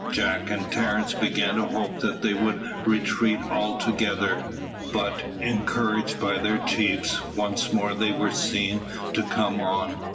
Jack and Terence began to hope that they would retreat altogether, but, encouraged by their chiefs, once more they were seen to come on.